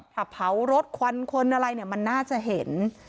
ถ้าเผารถควันคนอะไรเนี่ยมันน่าจะเห็น